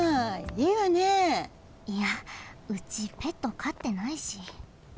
いやうちペットかってないし。